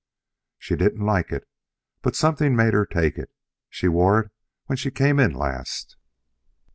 "She didn't like it. But something made her take it. She wore it when she came in last."